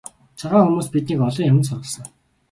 Цагаан хүмүүс биднийг олон юманд сургасан.